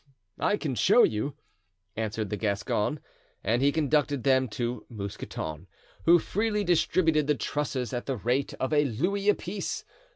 "I can show you," answered the Gascon. And he conducted them to Mousqueton, who freely distributed the trusses at the rate of a louis apiece.